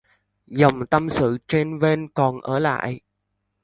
Dòng tâm sự chênh vênh còn ở lại